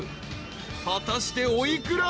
［果たしてお幾ら？］